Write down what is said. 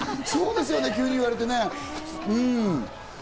そうですよね、急に言われて。